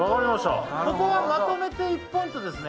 ここはまとめて１ポイントですね